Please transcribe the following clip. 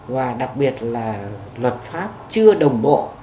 và đặc biệt là luật pháp chưa đồng bộ